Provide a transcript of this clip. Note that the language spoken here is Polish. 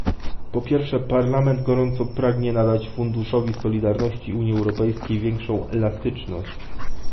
Po pierwsze Parlament gorąco pragnie nadać funduszowi solidarności Unii Europejskiej większą elastyczność